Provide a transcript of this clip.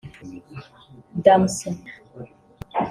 Damso